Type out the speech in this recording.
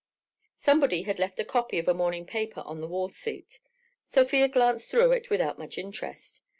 Somebody had left a copy of a morning paper on the wall seat. Sofia glanced through it without much interest.